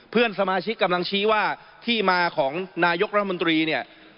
เพื่อนสมาชิกกำลังชี้ว่าที่มาของนายกรัฐมนตรีเนี่ย